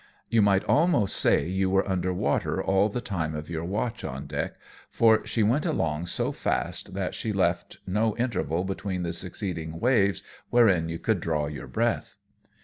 You might almost say you were under water all the TFi: SAIL FOR NAGASAKI. 123 time of your watch on deck, for she went along so fast that she left no interval between the succeeding waves wherein you could draw your breath.